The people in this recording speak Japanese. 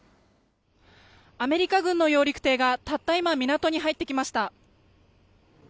アメリカ軍の揚陸艇がたった今、港に入ってきました。